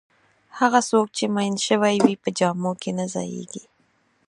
هغه څوک چې میین شوی په جامو کې نه ځایېږي.